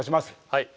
はい。